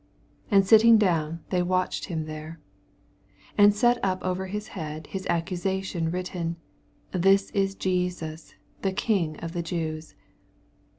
86 And sitting down they watched him there ; 87 And set up over his head his accusation written, THIS IS JESUS THE KING OF THE JEWS.